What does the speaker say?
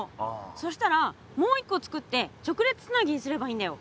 そしたらもう一個つくって直列つなぎにすればいいんだよ！